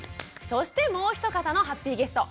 そしてもう一方のハッピーゲスト。